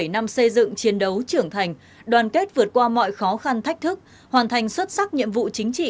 bảy năm xây dựng chiến đấu trưởng thành đoàn kết vượt qua mọi khó khăn thách thức hoàn thành xuất sắc nhiệm vụ chính trị